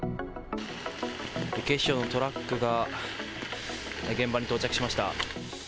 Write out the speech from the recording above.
警視庁のトラックが、現場に到着しました。